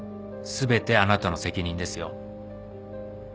全てあなたの責任ですよ？